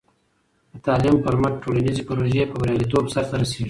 د تعلیم پر مټ، ټولنیزې پروژې په بریالیتوب سرته رسېږي.